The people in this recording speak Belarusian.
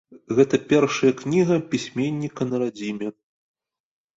Гэты першая кніга пісьменніка на радзіме.